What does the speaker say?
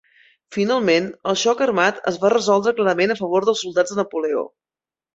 Finalment, el xoc armat es va resoldre clarament a favor dels soldats de Napoleó.